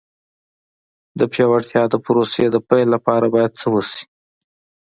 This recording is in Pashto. د پیاوړتیا د پروسې د پیل لپاره باید څه وشي.